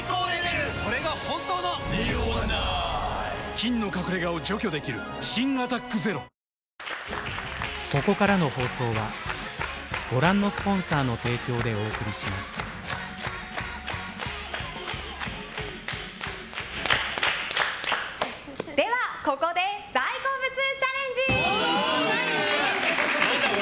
菌の隠れ家を除去できる新「アタックＺＥＲＯ」では、ここで大好物チャレンジ！